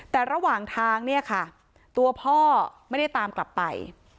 แต่ระหว่างทางเนี่ยค่ะตัวพ่อไม่ได้ตามกลับไป